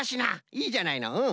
いいじゃないのうん。